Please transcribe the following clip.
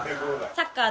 サッカー